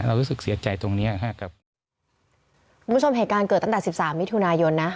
รู้สึกเสียใจตรงเนี้ยฮะครับคุณผู้ชมเหตุการณ์เกิดตั้งแต่สิบสามมิถุนายนนะ